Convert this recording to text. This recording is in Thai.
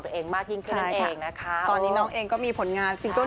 ก็ยังไม่เจอยังไม่เจออะไรขนาดนั้น